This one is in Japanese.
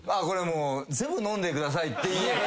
これもう全部飲んでくださいって。